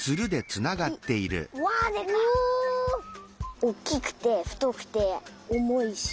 おっきくてふとくておもいし。